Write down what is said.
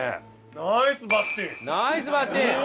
ナイスバッティング！